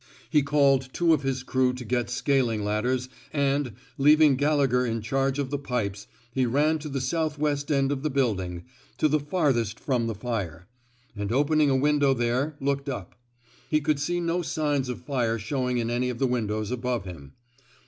He called two of his crew to get scaling ladders, and, leaving Gallegher in charge of the pipes, he ran to the southwest end of the building — to be farthest from the fire — and opening a window there, looked up. He could see no signs of fire showing in any of the windows above him.